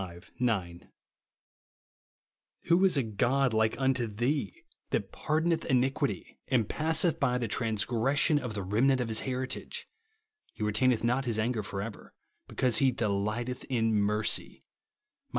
9) ; "Who is a God like unto tbee, that pardoiieth 82 THE WOllD OF THE iniquity aiid passetli by the transgrossion of the remnant of his heritage ; he re~ taineth not his anger for ever, because he delighteth in mercy,'' (Mic.